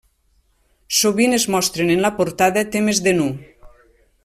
Sovint es mostren en la portada temes de nu.